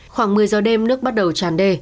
khoảng một mươi giờ đêm nước bắt đầu tràn đê